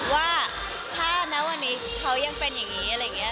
ว่าถ้านักวันนี้เขายังเป็นอย่างนี้